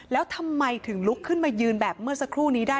แล้วทำไมถึงลุกขึ้นมายืนแบบเมื่อสักครู่นี้ได้